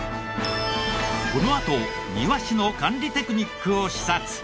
このあと庭師の管理テクニックを視察。